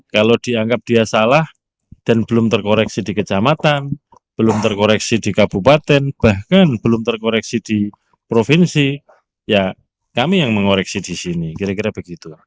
kalau dianggap dia salah dan belum terkoreksi di kecamatan belum terkoreksi di kabupaten bahkan belum terkoreksi di provinsi ya kami yang mengoreksi di sini kira kira begitu